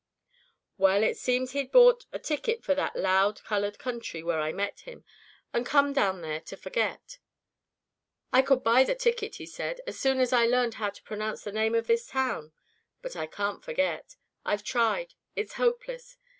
"Well, it seems he'd bought a ticket for that loud colored country where I met him, and come down there to forget. 'I could buy the ticket,' he said, 'as soon as I learned how to pronounce the name of this town. But I can't forget. I've tried. It's hopeless.'